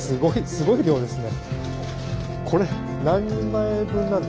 すごい量ですね。